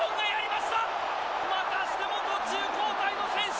またしても途中交代の選手。